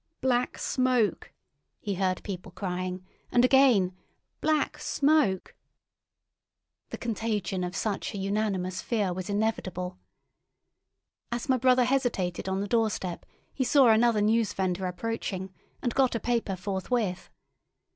"Black Smoke!" he heard people crying, and again "Black Smoke!" The contagion of such a unanimous fear was inevitable. As my brother hesitated on the door step, he saw another newsvendor approaching, and got a paper forthwith.